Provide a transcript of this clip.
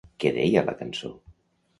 Què deia la cançó?